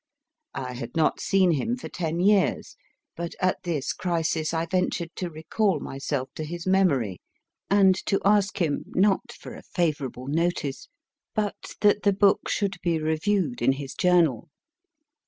I had not seen him for ten years, but at this crisis I ventured to recall myself to his memory, and to ask him, not for a favourable notice, but that the book should be reviewed in his journal.